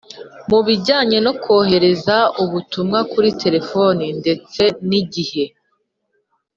Mu bijyanye no kohereza ubutumwa kuri telefoni ndetse n igihe